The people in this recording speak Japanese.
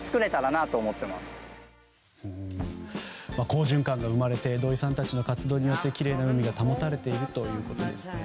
好循環が生まれて土井さんたちの活動によってきれいな海が保たれているということですね。